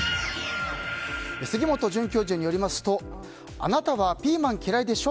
杉本准教授によりますとあなたはピーマン嫌いでしょ？